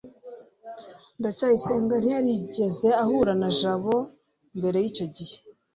ndacyayisenga ntiyari yarigeze ahura na jabo mbere yicyo gihe